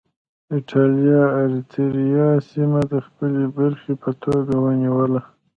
اېټالیا اریتیریا سیمه د خپلې برخې په توګه ونیوله.